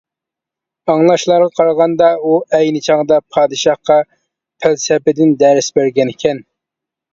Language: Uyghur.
ئاڭلاشلارغا قارىغاندا، ئۇ ئەينى چاغدا پادىشاھقا پەلسەپىدىن دەرس بەرگەنىكەن.